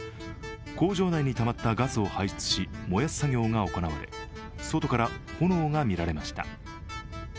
工場内にたまったガスを排出し燃やす作業が行われ外から炎が見られました。